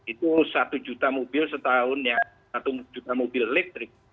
itu satu juta mobil setahun yang satu juta mobil elektrik